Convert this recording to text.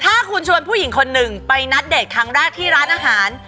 ถ้าคุณชวนผู้หญิงคนหนึ่งไปนัดเดทครั้งแรกที่ร้านอาหาร